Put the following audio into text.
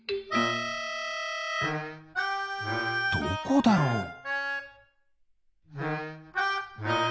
どこだろう？